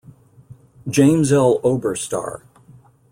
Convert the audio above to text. James L. Oberstar.